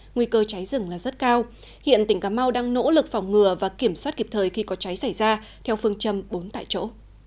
nguy cơ cháy rừng là rất cao hiện tỉnh cà mau đang nỗ lực phòng ngừa và kiểm soát kịp thời khi có cháy xảy ra theo phương châm bốn tại chỗ